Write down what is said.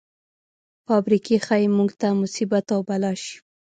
فابریکې ښايي موږ ته مصیبت او بلا شي.